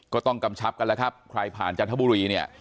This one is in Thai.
กำชับกันแล้วครับใครผ่านจันทบุรีเนี่ย